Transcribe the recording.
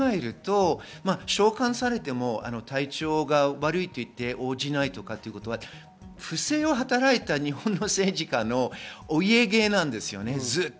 そう考えると、召喚されても体調が悪いと言って、応じないとか、不正を働いた日本の政治家のお家芸なんですよね。